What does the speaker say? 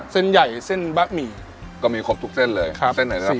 เส้นใหญ่เส้นบะหมี่ก็มีครบทุกเส้นเลยครับเส้นไหนนะครับ